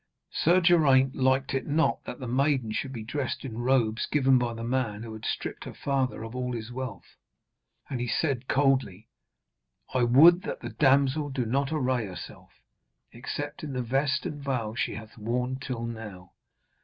Sir Geraint liked it not that the maiden should be dressed in robes given by the man who had stripped her father of all his wealth, and he said coldly: 'I would that the damsel do not array herself, except in the vest and veil she hath worn till now.